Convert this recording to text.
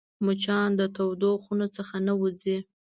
مچان د تودو خونو څخه نه وځي